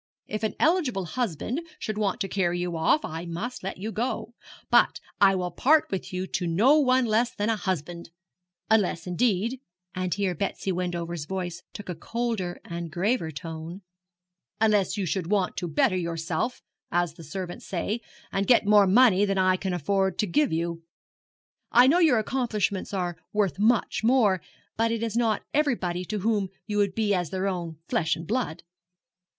If an eligible husband should want to carry you off, I must let you go; but I will part with you to no one less than a husband unless, indeed,' and here Betsy Wendover's voice took a colder and graver tone, 'unless you should want to better yourself, as the servants say, and get more money than I can afford to give you. I know your accomplishments are worth much more; but it is not everybody to whom you would be as their own flesh and blood.'